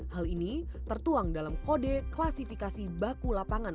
hal ini tertuang dalam kode klasifikasi baku lapangan